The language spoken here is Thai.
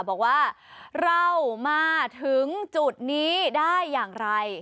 บอกว่าเรามาถึงจุดนี้ได้อย่างไร